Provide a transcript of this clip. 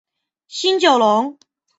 新九龙。